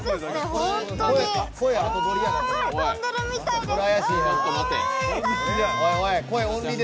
本当に飛んでいるみたいです。